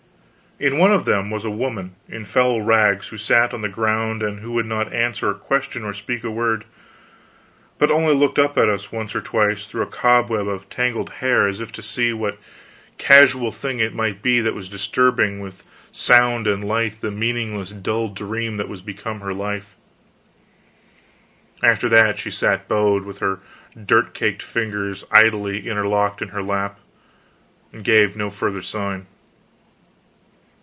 In one of them was a woman, in foul rags, who sat on the ground, and would not answer a question or speak a word, but only looked up at us once or twice, through a cobweb of tangled hair, as if to see what casual thing it might be that was disturbing with sound and light the meaningless dull dream that was become her life; after that, she sat bowed, with her dirt caked fingers idly interlocked in her lap, and gave no further sign.